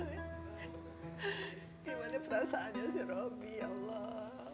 gimana perasaannya si robby allah